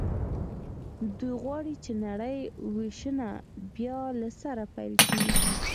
دوی غواړي چې نړۍ وېشنه بیا له سره پیل شي